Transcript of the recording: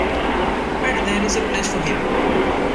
But there's a place for him.